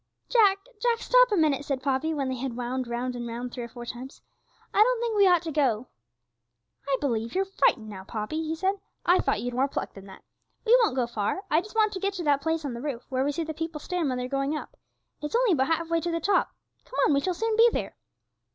'Jack, Jack, stop a minute!' said Poppy, when they had wound round and round three or four times; 'I don't think we ought to go.' 'I believe you're frightened now, Poppy,' he said; 'I thought you'd more pluck than that! We won't go far. I just want to get to that place on the roof where we see the people stand when they're going up; it's only about half way to the top; come on, we shall soon be there!'